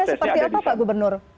seperti apa pak gubernur